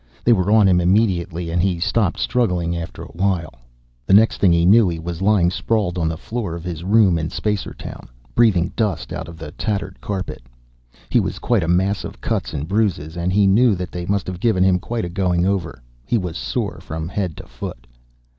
They were on him immediately, and he stopped struggling after a while. The next thing he knew he was lying sprawled on the floor of his room in Spacertown, breathing dust out of the tattered carpet. He was a mass of cuts and bruises, and he knew they must have given him quite a going over. He was sore from head to foot.